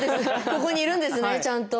ここにいるんですねちゃんと。